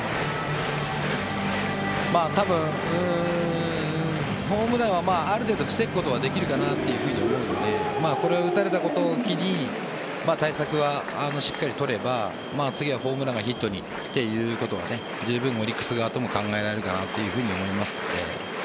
多分ホームランはある程度防ぐことはできるかなと思うのでこれを打たれたことを機に対策をしっかり取れば次はホームランがヒットにということはじゅうぶんオリックス側としても考えられるかなと思いますので。